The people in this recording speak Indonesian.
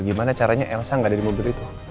gimana caranya elsa gak ada di mobil itu